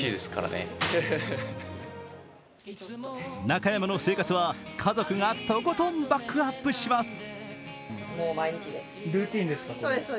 中山の生活は家族がとことんバックアップします。